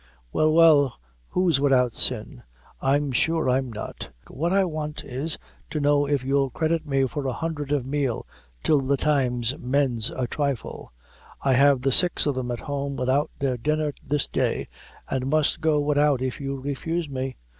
"Well, well, who's widout sin? I'm sure I'm not. What I want is, to know if you'll credit me for a hundred of meal till the times mends a trifle. I have the six o' them at home widout their dinner this day, an' must go widout if you refuse me.